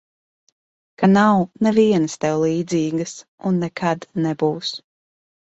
Ka nav nevienas tev līdzīgas un nekad nebūs.